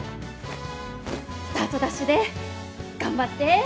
スタートダッシュで頑張って。